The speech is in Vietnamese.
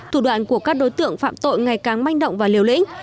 thủ đoạn của các đối tượng phạm tội ngày càng manh động và liều lĩnh